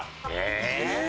え？